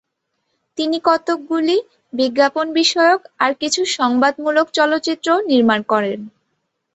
তিনি কতকগুলি বিজ্ঞাপন বিষয়ক আর কিছু সংবাদমূলক চলচ্চিত্রও নির্মাণ করেন।